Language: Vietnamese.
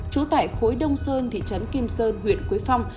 trú tại khối đông sơn thị trấn kim sơn huyện quế phong